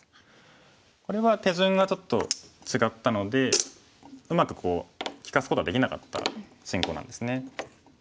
これは手順がちょっと違ったのでうまく利かすことができなかった進行なんですね。